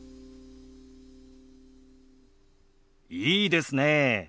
いいですね。